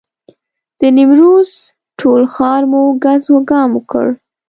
د نیمروز ټول ښار مو ګز وګام کړ.